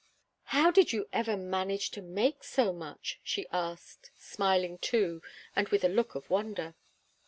"How did you ever manage to make so much?" she asked, smiling, too, and with a look of wonder.